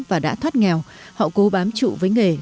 và đã thoát nghèo họ cố bám trụ với nghề